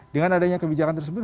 dengan adanya kebijakan tersebut